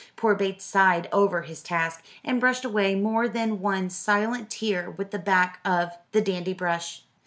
Poor Bates sighed over his task, and brushed away more than one silent tear with the back of the dandy brush.